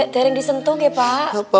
tering disentuh ya pak